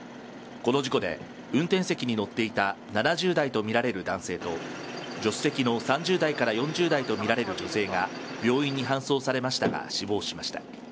この事故で運転席に乗っていた７０代と見られる男性と、助手席の３０代から４０代と見られる女性が病院に搬送されましたが死亡しました。